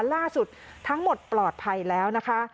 ล่าสุดทั้งหมดปลอดภัยแล้วนะคะ